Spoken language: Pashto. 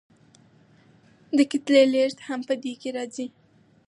د کتلې لیږد هم په دې کې راځي.